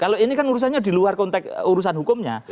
kalau ini kan urusannya di luar konteks urusan hukumnya